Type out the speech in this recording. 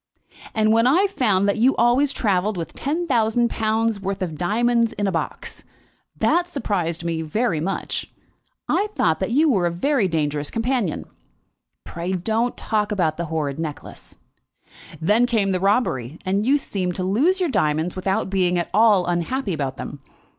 "And when I found that you always travelled with ten thousand pounds' worth of diamonds in a box, that surprised me very much. I thought that you were a very dangerous companion." "Pray don't talk about the horrid necklace." "Then came the robbery, and you seemed to lose your diamonds without being at all unhappy about them.